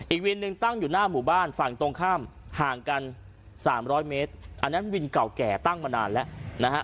อีกวินหนึ่งตั้งอยู่หน้าหมู่บ้านฝั่งตรงข้ามห่างกันสามร้อยเมตรอันนั้นวินเก่าแก่ตั้งมานานแล้วนะฮะ